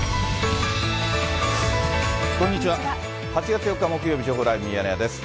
８月４日木曜日、情報ライブミヤネ屋です。